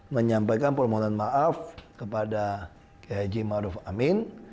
menyampaikan permohonan maaf kepada ki haji ma'ruf amin